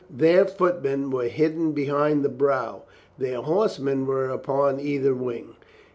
Their footmen were hidden behind the brow; their horsemen were upon either wing.